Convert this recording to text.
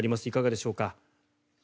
いかがでしょうか。